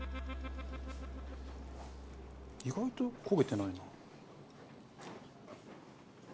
意外と焦げてないな。